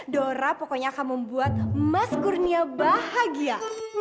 dora pokoknya akan membuat mas kurnia bahagia